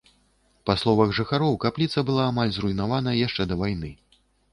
Па словах жыхароў, капліца была амаль зруйнавана яшчэ да вайны.